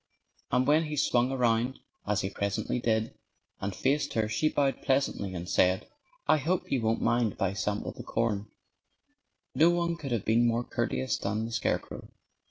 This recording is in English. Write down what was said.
And when he swung around, as he presently did, and faced her she bowed pleasantly and said, "I hope you won't mind if I sample the corn." No one could have been more courteous than the scarecrow.